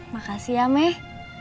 makasih ya meh